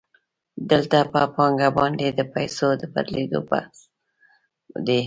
دلته په پانګه باندې د پیسو د بدلېدو بحث دی